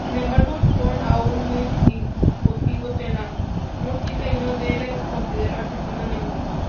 Sin embargo, son aún muy discutidos en la música, y no deben considerarse sinónimos.